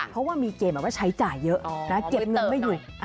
เพราะว่ามีเกณฑ์แบบว่าใช้จ่ายเยอะนะเก็บเงินไม่หยุด